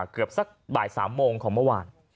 เกือบสักบ่าย๓โมงของเมื่อวาน